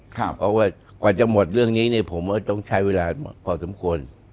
เพราะก่อนจะหมดเรื่องนี้ผมต้องใช้เวลาพอสมควร